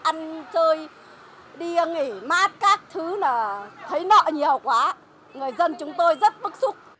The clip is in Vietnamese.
ăn chơi đi nghỉ mát các thứ là thấy nợ nhiều quá người dân chúng tôi rất bức xúc